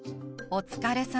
「お疲れ様」。